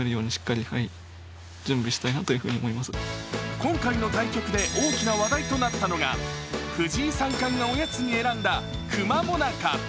今回の対局で大きな話題となったのが藤井三冠がおやつに選んだくま最中。